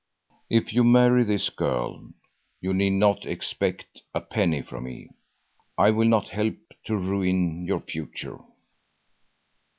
If you marry this girl, you need not expect a penny from me. I will not help to ruin your future."